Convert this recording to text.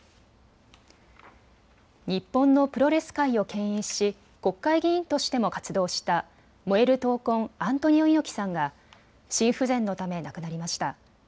日本のプロレス界をけん引し国会議員としても活動した燃える闘魂、アントニオ猪木さんが心不全のため亡くなりました。